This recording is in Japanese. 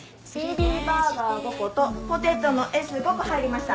ＢＢバーガー５個とポテトのＳ５個入りました。